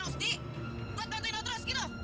rusti gue bantuin lo terus gitu